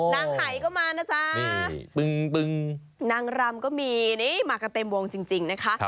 นางไหก็มานะจ๊ะนางรำก็มีมากันทั้งเต็มวงจริงนะคะ